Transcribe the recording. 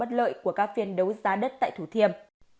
bất lợi của các phiên đấu giá đất tại thủ thiêm